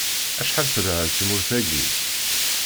Acḥal telha tmurt-agi!